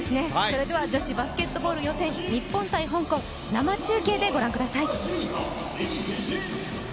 女子バスケットボール予選日本×香港生中継でご覧ください。